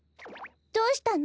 どうしたの？